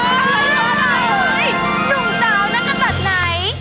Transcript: หนุ่มสาวนักศัตริย์ไหน